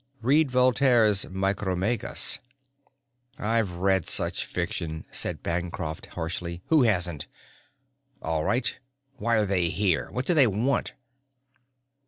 "Read Voltaire's Micromegas." "I've read such fiction," said Bancroft harshly. "Who hasn't? All right, why are they here, what do they want?"